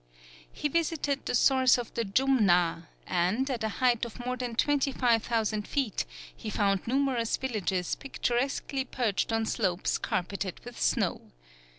He visited the source of the Jumna, and, at a height of more than 25,000 feet, he found numerous villages picturesquely perched on slopes carpetted with snow.